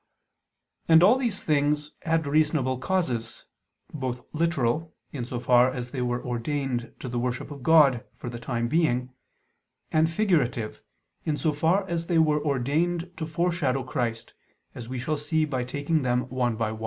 And all these things had reasonable causes, both literal, in so far as they were ordained to the worship of God for the time being, and figurative, in so far as they were ordained to foreshadow Christ: as we shall see by taking them one by one.